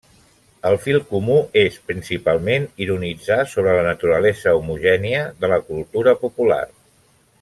El fil comú és principalment ironitzar sobre la naturalesa homogènia de la cultura popular.